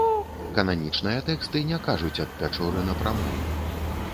Кананічныя тэксты не кажуць аб пячоры напрамую.